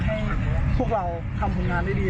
พวกเราทำผลงานได้ดี